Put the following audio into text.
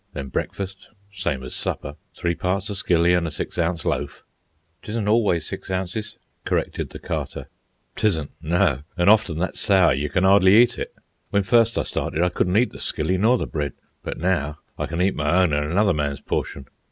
Then breakfast, same as supper, three parts o' skilly an' a six ounce loaf." "'Tisn't always six ounces," corrected the Carter. "'Tisn't, no; an' often that sour you can 'ardly eat it. When first I started I couldn't eat the skilly nor the bread, but now I can eat my own an' another man's portion."